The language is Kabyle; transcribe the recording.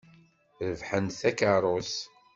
Rebḥen-d takeṛṛust.